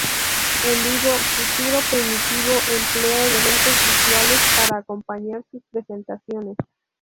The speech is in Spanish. En vivo, Futuro Primitivo emplea elementos visuales para acompañar sus presentaciones.